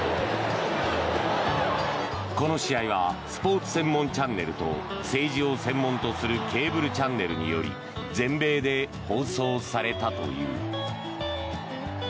この試合はスポーツ専門チャンネルと政治を専門とするケーブルチャンネルにより全米で放送されたという。